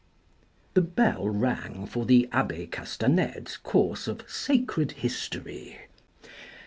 The bell rang for the abbe Castanede's course of sacred history.